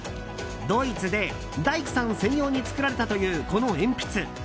ドイツで、大工さん専用に作られたというこの鉛筆。